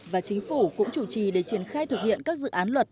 và chính phủ cũng chủ trì để triển khai thực hiện các dự án luật